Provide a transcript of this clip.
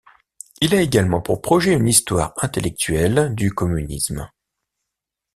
Il a également pour projet une histoire intellectuelle du communisme.